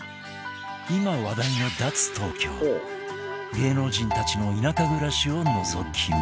今話題の芸能人たちの田舎暮らしをのぞき見